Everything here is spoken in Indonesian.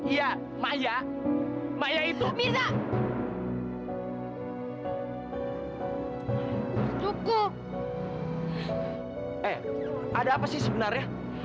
iya makya maya itu mina cukup eh ada apa sih sebenarnya